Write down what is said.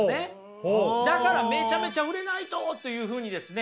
だからめちゃめちゃ売れないとというふうにですね